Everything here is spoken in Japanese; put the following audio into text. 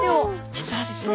実はですね